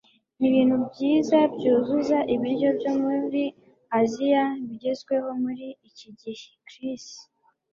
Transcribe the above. Nibintu byiza byuzuza ibiryo byo muri Aziya bigezweho muri iki gihe ", Chris.